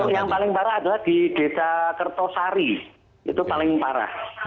yang paling parah adalah di desa kertosari itu paling parah